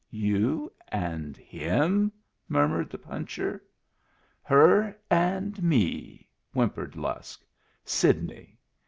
"You and him?" murmured the puncher. "Her and me," whimpered Lusk. "Sidney."